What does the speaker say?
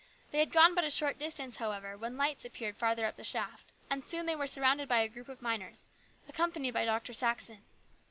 They had gone but a short distance, however, when lights appeared farther up the shaft, and soon they were surrounded by a group of miners, accompanied by Dr. Saxon.